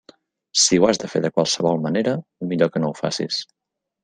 Si ho has de fer de qualsevol manera, millor que no ho facis.